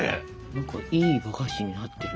何かいいお菓子になってる。